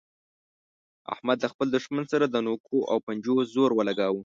احمد له خپل دوښمن سره د نوکو او پنجو زور ولګاوو.